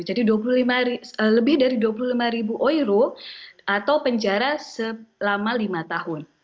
jadi lebih dari rp dua puluh lima atau penjara selama lima tahun